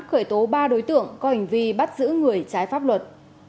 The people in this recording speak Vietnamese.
khởi tố ba đối tượng có hành vi bắt giữ người trái pháp luật